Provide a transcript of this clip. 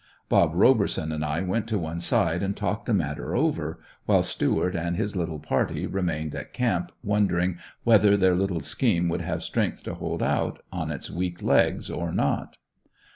"Bob" Roberson and I went to one side and talked the matter over, while Stuart and his little party remained at camp wondering whether their little scheme would have strength to hold out, on its weak legs or not.